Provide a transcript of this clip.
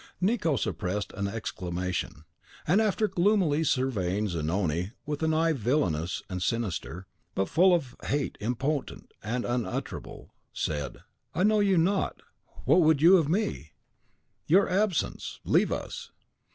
Nicot suppressed an exclamation, and, after gloomily surveying Zanoni with an eye villanous and sinister, but full of hate impotent and unutterable, said, "I know you not, what would you of me?" "Your absence. Leave us!"